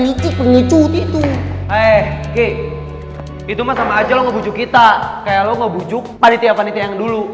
itu mah sama aja ngebujuk kita kayak lo ngebujuk panitia panitia yang dulu